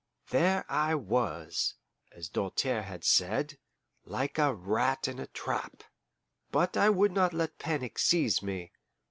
There I was, as Doltaire had said, like a rat in a trap. But I would not let panic seize me.